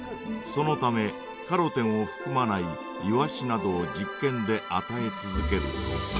そのためカロテンをふくまないイワシなどを実験であたえ続けると。